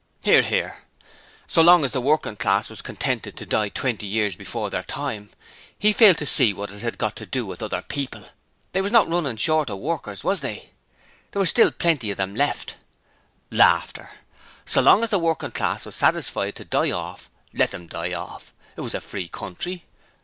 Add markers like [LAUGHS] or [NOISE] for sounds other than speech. (Hear, hear.) So long as the working class was contented to die twenty years before their time, he failed to see what it had got to do with other people. They was not runnin' short of workers, was they? There was still plenty of 'em left. [LAUGHS] So long as the workin' class was satisfied to die orf let 'em die orf! It was a free country.